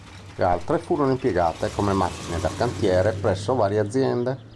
Le altre furono impiegate come macchine da cantiere presso varie aziende.